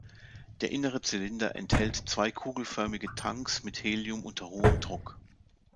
Der innere Zylinder enthält zwei kugelförmige Tanks mit Helium unter hohem Druck.